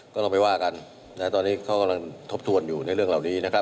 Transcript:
ก็ลองไปว่ากันตอนนี้เขากำลังทบทวนอยู่ในเรื่องเหล่านี้นะครับ